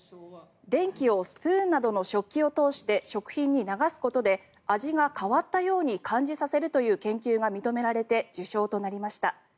電気をスプーンなどの食器を通して食品に流すことで味が変わったように感じさせるという研究が認められて受賞となりました。